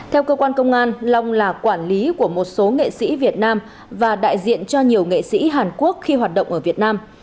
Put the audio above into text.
theo cơ quan công an long là quản lý của một số nghệ sĩ việt nam và đại diện cho nhiều nghệ sĩ hàn quốc khi hoạt động ở việt nam